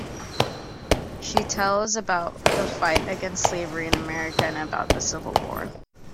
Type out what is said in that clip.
She tells about the fight against slavery in America, and about the Civil War.